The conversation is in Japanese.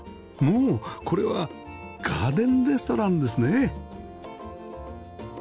もうこれはガーデンレストランですね